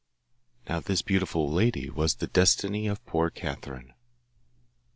Now this beautiful lady was the Destiny of poor Catherine.